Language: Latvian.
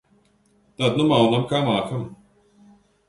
Tad nu maunam, kā mākam.